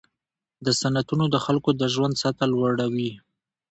دا صنعتونه د خلکو د ژوند سطحه لوړوي.